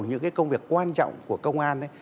những cái công việc quan trọng của công an